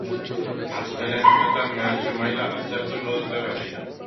Astelehen honetan mehatxu-maila aztertuko dute berriro.